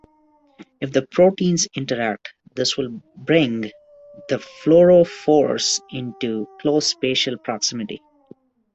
If the proteins interact, this will bring the fluorophores into close spatial proximity.